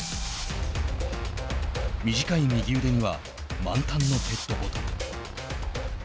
短い右腕には満タンのペットボトル。